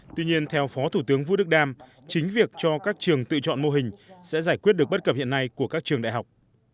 tuy nhiên theo phó thủ tướng vũ đức đam chính việc cho các trường tự chọn mô hình sẽ giải quyết được bất cập hiện nay của các trường đại học